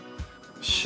塩